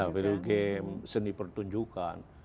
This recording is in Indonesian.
ya video game seni pertunjukan